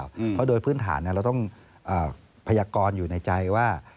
เพราะโดยพื้นฐานเราต้องพยากรอยู่ในใจว่า